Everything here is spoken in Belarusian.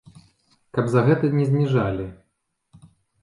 Каб за гэта не зніжалі.